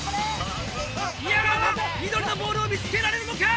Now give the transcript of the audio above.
宮川は緑のボールを見つけられるのか？